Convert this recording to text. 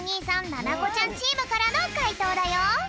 ななこちゃんチームからのかいとうだよ！